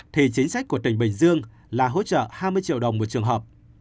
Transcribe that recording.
thì chính sách của tỉnh bình dương là hỗ trợ hai mươi triệu đồng một trường hợp